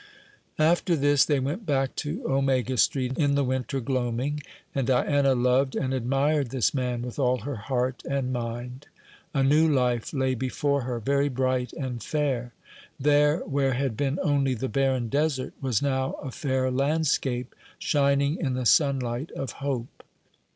After this they went back to Omega Street in the winter gloaming, and Diana loved and admired this man with all her heart and mind. A new life lay before her, very bright and fair. There, where had been only the barren desert, was now a fair landscape, shining in the sunlight of hope.